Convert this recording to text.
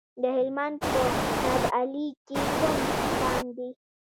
د هلمند په نادعلي کې کوم کان دی؟